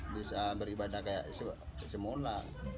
bisa beribadah seperti semula